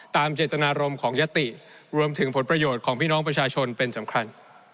เจตนารมณ์ของยติรวมถึงผลประโยชน์ของพี่น้องประชาชนเป็นสำคัญ